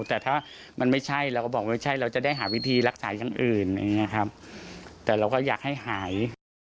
แต่ถ้ามันไม่ใช่เราก็บอกไม่ใช่เราจะได้หาวิธีรักษาอย่างอื่นอย่างนี้ครับแต่เราก็อยากให้หาย